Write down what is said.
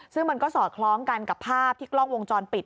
ซึ่งมันก็สอดคล้องกันกับภาพที่กล้องวงจรปิด